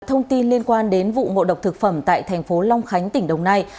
thông tin liên quan đến vụ ngộ độc thực phẩm tại thành phố long khánh tỉnh đồng nai